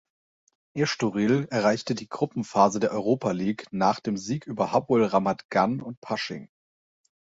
Estoril erreichte die Gruppenphase der Europa League nach dem Sieg über Hapoel Ramat Gan und Pasching